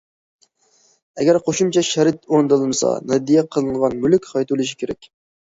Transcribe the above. ئەگەر قوشۇمچە شەرت ئورۇندالمىسا، ھەدىيە قىلىنغان مۈلۈك قايتۇرۇلۇشى كېرەك.